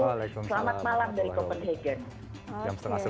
selamat malam dari copenhagen